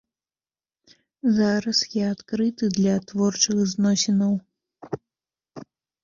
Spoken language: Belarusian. Зараз я адкрыты для творчых зносінаў.